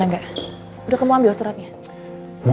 orang gak ada sama sekali di ruangan aku juga bingung